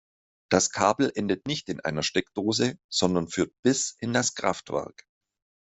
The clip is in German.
Das Kabel endet nicht in einer Steckdose, sondern führt bis in das Kraftwerk.